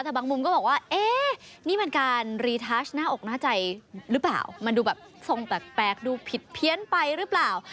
แต่บางมุมก็บอกว่าเอ๊ะนี่มันการรีทัชหน้าอกหน้าใจหรือเปล่ามันดูแบบทรงแปลกดูผิดเพี้ยนไปหรือเปล่า